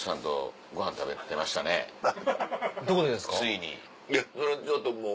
いやそれはちょっともう。